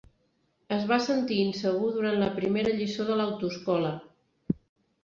Es va sentir insegur durant la primera lliçó de l'autoescola.